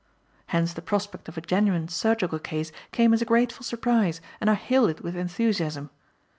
Hence the prospect of a genuine surgical case came as a grateful surprise and I hailed it with enthusiasm.